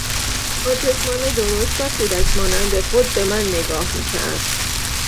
با چشمان درشت و کودک مانند خود به من نگاه میکرد.